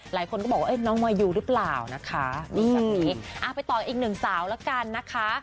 หลายคนก็บอกว่าน้องมายูหรือเปล่านะคะนี่แบบนี้ไปต่ออีกหนึ่งสาวแล้วกันนะคะ